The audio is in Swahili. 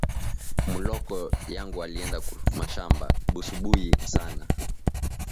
Muloko yangu arienda ku mashamba busubuyi sana